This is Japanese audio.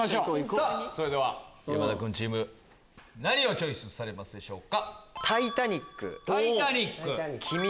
それでは山田君チーム何をチョイスされますか？